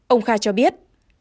ông kha cho biết